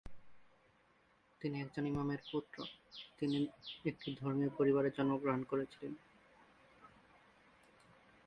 তিনি একজন ইমামের পুত্র, তিনি একটি ধর্মীয় পরিবারে জন্মগ্রহণ করেছিলেন।